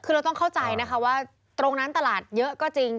คือเราต้องเข้าใจนะคะว่าตรงนั้นตลาดเยอะก็จริง